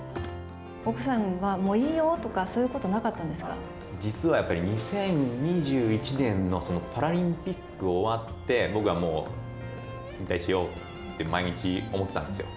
奥さんが、もういいよとか、実はやっぱり２０２１年のパラリンピック終わって、僕はもう引退しようって、毎日思ってたんですよ。